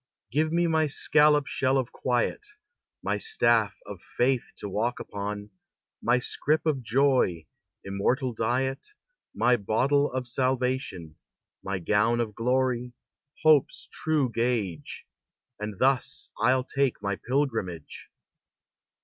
Give me my scallop shell of quiet, My staff of faith to walk upon, My scrip of joy, immortal diet, My bottle of salvation, My gown of glory, hope's true gauge; And thus I'll take my pilgrimage!